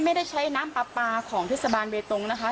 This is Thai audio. ไม่ได้ใช้น้ำปลาของทฤษฐาบาลเบตงค์นะคะ